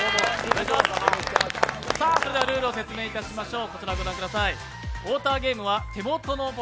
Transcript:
それではルールを説明いたしましょう。